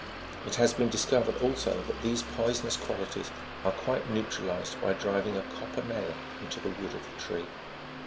It has been discovered, also, that these poisonous qualities are quite neu tralized by driving a copper nail into the wood of the tree.